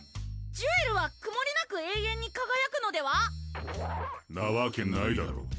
ジュエルはくもりなく永遠にかがやくのでは⁉なわけないだろ